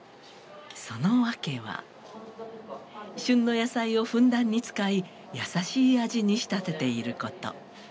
その訳は旬の野菜をふんだんに使い優しい味に仕立てていること。